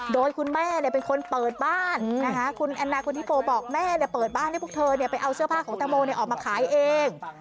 โดยคุณแม่เนี่ยเป็นคนเปิดบ้านนะฮะคุณแอนนาคุณฮิปโป้บอกแม่เนี่ยเปิดบ้านให้พวกเธอเนี่ยไปเอาเสื้อผ้าของตังโมนิดาออกมาขายเอง